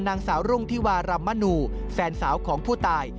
นางสาวรุ่งธิวารำมนูแฟนสาวของผู้ตาย